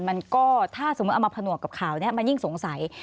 มันก็ถ้าสมมุติเอามาผนวกกับข่าวนี้มันยิ่งสงสัย